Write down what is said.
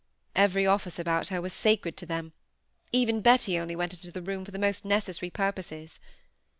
Every office about her was sacred to them; even Betty only went into the room for the most necessary purposes.